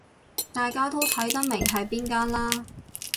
大家都睇得明係邊間啦